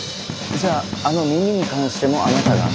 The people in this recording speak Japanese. じゃああの耳に関してもあなたが？